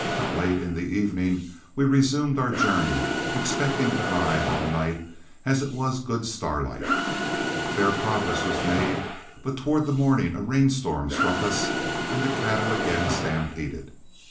Late in the evening we resumed our journey, expecting to drive all night, as it was good starlight. Fair progress was made, but towards morning a rainstorm struck us, and the cattle again stampeded.